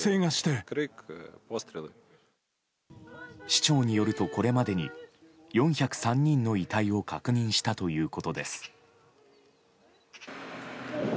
市長によるとこれまでに４０３人の遺体を確認したということです。